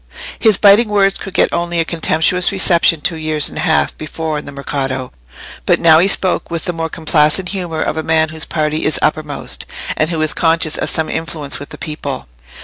His biting words could get only a contemptuous reception two years and a half before in the Mercato, but now he spoke with the more complacent humour of a man whose party is uppermost, and who is conscious of some influence with the people.